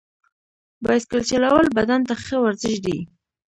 بایسکل چلول بدن ته ښه ورزش دی.